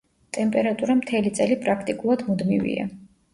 ტემპერატურა მთელი წელი პრაქტიკულად მუდმივია.